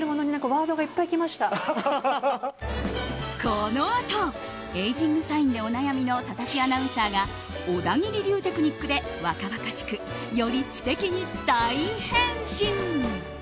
このあとエイジングサインでお悩みの佐々木アナウンサーが小田切流テクニックで若々しく、より知的に大変身。